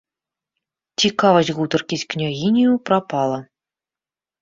Цікавасць гутаркі з княгіняю прапала.